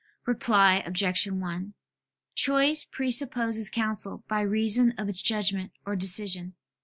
]. Reply Obj. 1: Choice presupposes counsel by reason of its judgment or decision.